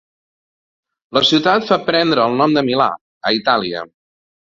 La ciutat fa prendre el nom de Milà, a Itàlia.